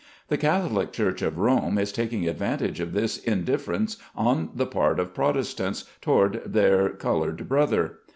The Cath olic Church of Rome is taking advantage of this indifference on the part of Protestants toward their colored brother.